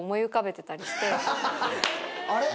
あれ？